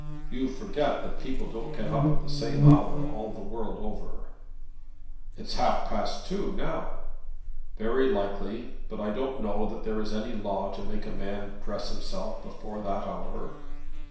"You forget that people don't get up at the same hour all the world over." "It's half past two now." "Very likely; but I don't know that there is any law to make a man dress himself before that hour."